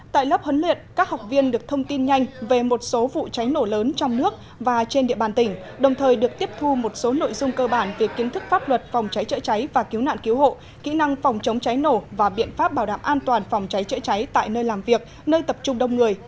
tại lớp huấn luyện các học viên được thông tin nhanh về một số vụ cháy nổ lớn trong nước và trên địa bàn tỉnh đồng thời được tiếp thu một số nội dung cơ bản về kiến thức pháp luật phòng cháy chữa cháy và cứu nạn cứu hộ kỹ năng phòng chống cháy nổ và biện pháp bảo đảm an toàn phòng cháy chữa cháy tại nơi làm việc nơi tập trung đông người